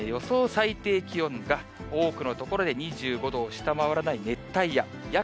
最低気温が、多くの所で２５度を下回らない熱帯夜。